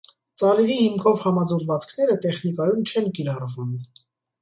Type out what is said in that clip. Ծարիրի հիմքով համաձուլվածքները տեխնիկայում չեն կիրառվում։